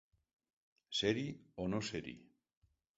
Ser-hi o no ser-hi.